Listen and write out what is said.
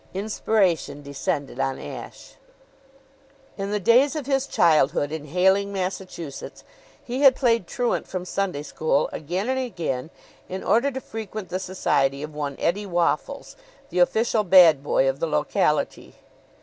Inspiration descended on Ashe. In the days of his childhood in Hayling, Massachusetts, he had played truant from Sunday school again and again in order to frequent the society of one Eddie Waffles, the official bad boy of the locality.